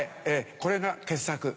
これが傑作。